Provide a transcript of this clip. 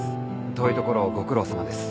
遠いところをご苦労さまです。